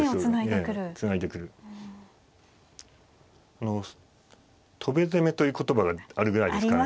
あの戸辺攻めという言葉があるぐらいですから。